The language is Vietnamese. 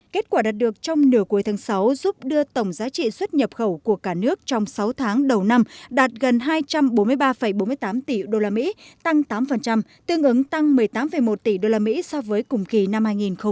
kết quả đạt được trong nửa cuối tháng sáu giúp đưa tổng giá trị xuất nhập khẩu của cả nước trong sáu tháng đầu năm đạt gần hai trăm bốn mươi ba bốn mươi tám tỷ usd tăng tám tương ứng tăng một mươi tám một tỷ usd so với cùng kỳ năm hai nghìn một mươi chín